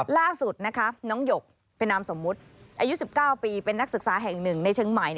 ล่าสุดนะคะน้องหยกเป็นนามสมมุติอายุ๑๙ปีเป็นนักศึกษาแห่งหนึ่งในเชียงใหม่